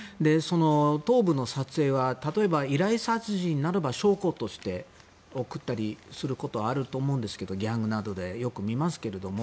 頭部の撮影は例えば依頼殺人であれば証拠として送ったりすることはあると思うんですけどギャングなどでよく見ますけれども。